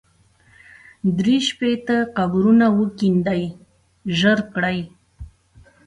درې شپېته قبرونه وکېندئ ژر کړئ.